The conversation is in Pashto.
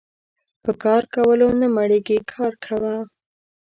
په کار کولو نه مړکيږي کار کوه .